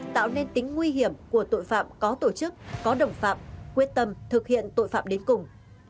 tạo nên tính nguy hiểm của tội phạm có tổ chức có đồng phạm quyết tâm thực hiện tội phạm đến cùng